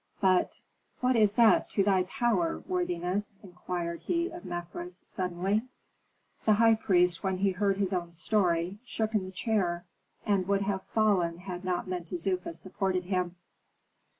But what is that to thy power, worthiness?" inquired he of Mefres, suddenly. The high priest, when he heard his own story, shook in the chair, and would have fallen had not Mentezufis supported him.